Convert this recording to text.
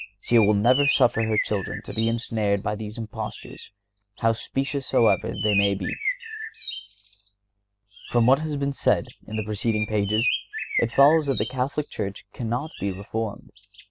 She will never suffer her children to be ensnared by these impostures, how specious soever they may be. From what has been said in the preceding pages, it follows that the Catholic Church cannot be reformed.